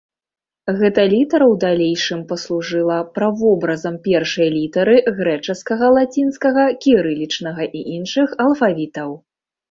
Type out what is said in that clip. Гэта літара ў далейшым паслужыла правобразам першай літары грэчаскага, лацінскага, кірылічнага і іншых алфавітаў.